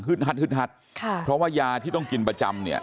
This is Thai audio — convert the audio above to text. ฮัดฮึดฮัดค่ะเพราะว่ายาที่ต้องกินประจำเนี่ย